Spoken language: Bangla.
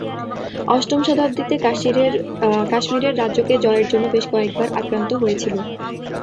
অষ্টম শতাব্দীতে, কাশ্মীরের রাজ্যকে জয়ের জন্য বেশ কয়েকবার আক্রান্ত হয়েছিল।